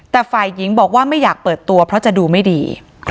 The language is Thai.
แต่ฝ่ายหญิงบอกว่าไม่อยากเปิดตัวเพราะจะดูไม่ดี